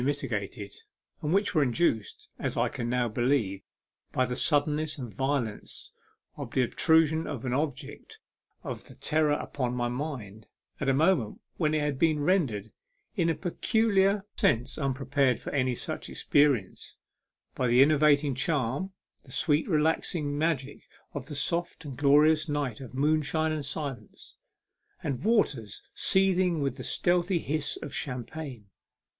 mitigated, and which were induced, as I can now believe, by the suddenness and violence of the obtrusion of an object of terror upon my mind at a moment when it had been rendered in a peculiar sense unprepared for any such experience by the enervating charm, the sweet relaxing magic of the soft and glorious night of moonshine and silence, and waters seething with the stealthy hiss of champagne.